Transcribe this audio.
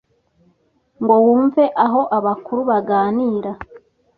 ngo wumve aho abakuru baganira,